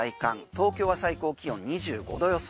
東京は最高気温２５度予想。